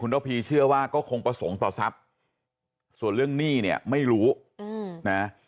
ระพีเชื่อว่าก็คงประสงค์ต่อทรัพย์ส่วนเรื่องหนี้เนี่ยไม่รู้นะ